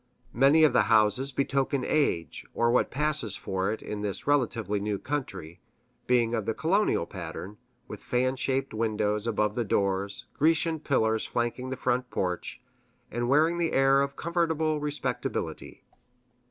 Many of the houses betoken age, or what passes for it in this relatively new country, being of the colonial pattern, with fan shaped windows above the doors, Grecian pillars flanking the front porch, and wearing the air of comfortable respectability.